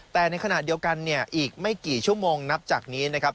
แต่ในขณะเดียวกันเนี่ยอีกไม่กี่ชั่วโมงนับจากนี้นะครับ